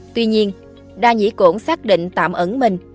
tuy nhiên đa nhĩ cổn xác định tạm ẩn mình